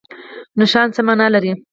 نښان څه مانا لري؟